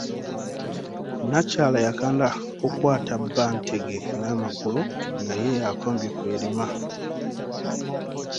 Nakyala yakanda kukwata bba ntege n'amagulu nga ye akombye ku erima.